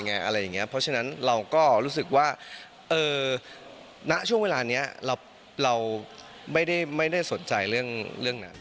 เพราะฉะนั้นเราก็รู้สึกว่าณช่วงเวลานี้เราไม่ได้สนใจเรื่องนั้น